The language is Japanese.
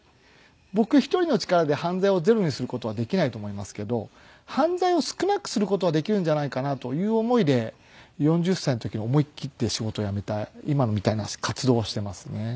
僕一人の力で犯罪をゼロにする事はできないと思いますけど犯罪を少なくする事はできるんじゃないかなという思いで４０歳の時に思い切って仕事を辞めた今みたいな活動をしていますね。